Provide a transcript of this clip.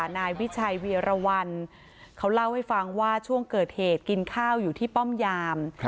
นายวิชัยเวียรวรรณเขาเล่าให้ฟังว่าช่วงเกิดเหตุกินข้าวอยู่ที่ป้อมยาม